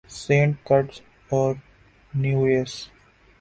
Saint Kitts اور Nevis